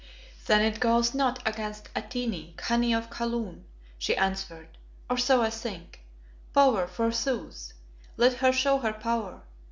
"Then it goes not against Atene, Khania of Kaloon," she answered, "or so I think. Power, forsooth! Let her show her power.